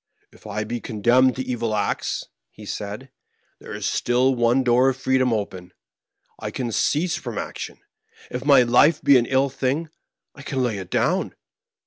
" If I be condemned to evil acts," he said, '^ there is still one door of freedom open — I can cease from action. If my life be an ill thing, I can lay it down.